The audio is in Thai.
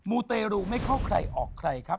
ูเตรูไม่เข้าใครออกใครครับ